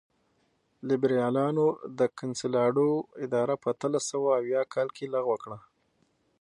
لېبرالانو د کنسولاډو اداره په اتلس سوه یو اویا کال کې لغوه کړه.